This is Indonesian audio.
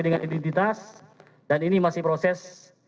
dengan identitas dan ini masih proses